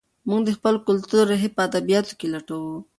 موږ د خپل کلتور ریښې په ادبیاتو کې لټوو.